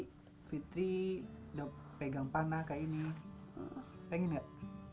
nanti fitri udah pegang panah kayak gini pengen nggak